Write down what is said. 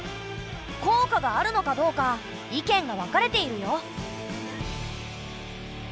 効果があるのかどうか意見が分かれているよ。